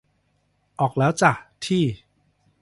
ออกแล้วจ้ะ ที่